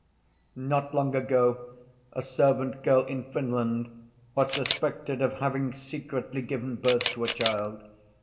"Not long ago a servant girl in Finland was suspected of having secretly given birth to a child.